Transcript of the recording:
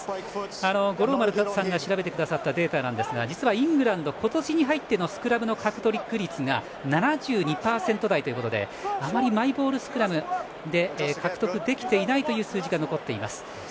五郎丸さんが調べてくださったデータですが実はイングランド今年に入ってのスクラムの獲得率７２％台ということであまりマイボールスクラムで獲得できていないという数字が残っています。